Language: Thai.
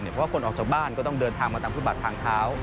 เพราะว่าคนออกจากบ้านก็ต้องเดินทางมาตามฟุตบาททางเท้า